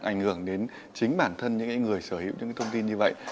ảnh hưởng đến chính bản thân những người sở hữu những thông tin như vậy